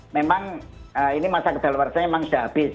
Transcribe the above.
memang ini masa kedaluarsanya memang sudah habis